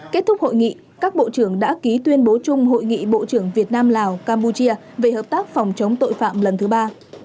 kết thúc hội nghị các bộ trưởng đã ký tuyên bố chung hội nghị bộ trưởng việt nam lào campuchia về hợp tác phòng chống tội phạm lần thứ ba